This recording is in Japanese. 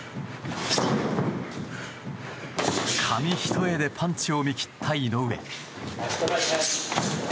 紙一重でパンチを見切った井上。